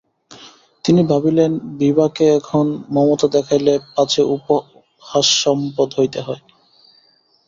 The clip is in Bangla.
তিনি ভাবিলেন, বিভাকে এখন মমতা দেখাইলে পাছে উপহাসাস্পদ হইতে হয়।